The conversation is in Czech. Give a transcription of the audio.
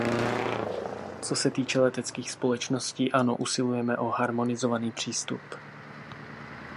Co se týče leteckých společností, ano, usilujeme o harmonizovaný přístup.